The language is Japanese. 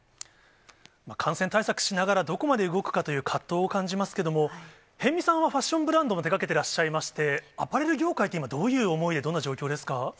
感染対策しながら、どこまで動くかという葛藤を感じますけれども、辺見さんはファッションブランドも手がけていらっしゃいまして、アパレル業界って今、どういう思いで、どんな状況ですか。